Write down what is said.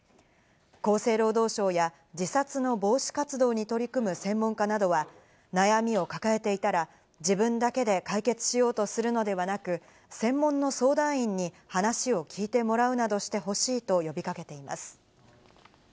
厚生労働省や自殺の防止活動に取り組む専門家などは、悩みを抱えていたら自分だけで解決しようとするのではなく、専門の相談員に話を聞いてもらうなどしてほしいと呼び掛けています。